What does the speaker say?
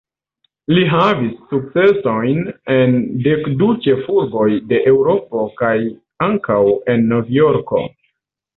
Li havis sukcesojn en dekdu ĉefurboj de Eŭropo kaj ankaŭ en Novjorko.